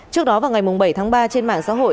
trước đó vào ngày bảy tháng ba trên mạng xã hội